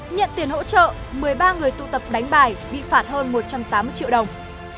nhận tiền hỗ trợ một mươi ba người tụ tập đánh bài bị phạt hơn một trăm tám mươi triệu đồng